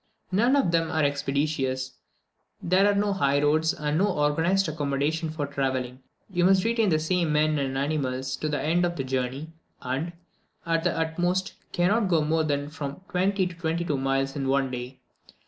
None of them are expeditious; there are no highroads, and no organized accommodation for travelling; you must retain the same men and animals to the end of the journey, and, at the utmost, cannot go more than from twenty to twenty two miles in one day.